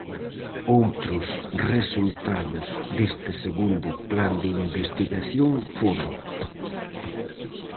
Outros resultados deste segundo Plan de Investigación foron: